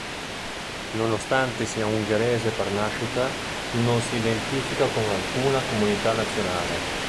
Nonostante sia ungherese per nascita, non si identifica con alcuna comunità nazionale.